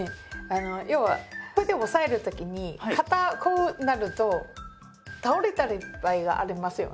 要はこうやって押さえる時に片方になると倒れたり場合がありますよね。